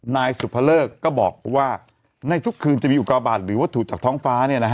นายสุภเลิกก็บอกว่าในทุกคืนจะมีอุกาบาทหรือวัตถุจากท้องฟ้า